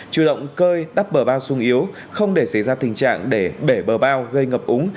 chủ động cơi đắp bờ bao sung yếu không để xảy ra tình trạng để bể bờ bao gây ngập úng